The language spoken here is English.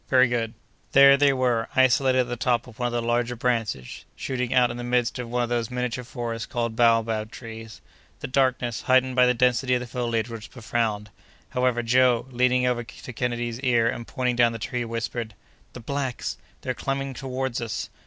"Very good!" There they were, isolated at the top of one of the larger branches shooting out in the midst of one of those miniature forests called baobab trees. The darkness, heightened by the density of the foliage, was profound; however, Joe, leaning over to Kennedy's ear and pointing down the tree, whispered: "The blacks! They're climbing toward us."